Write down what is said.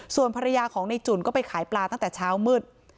ส่วนภรรยาของในจุ่นก็ไปขายปลาตั้งแต่เช้ามืด